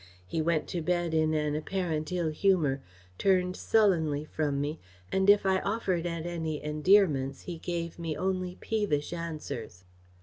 He went to bed in an apparent ill humour, turned sullenly from me, and if I offered at any endearments he gave me only peevish answers.